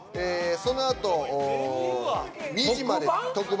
そのあと２時まで特番？